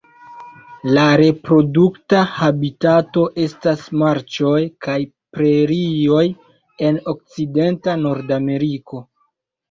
La reprodukta habitato estas marĉoj kaj prerioj en okcidenta Nordameriko.